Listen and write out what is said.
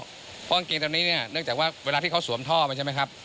เพราะกางเกงตรงนี้เนี่ยเนื่องจากว่าเวลาที่เขาสวมท่อไปใช่ไหมครับ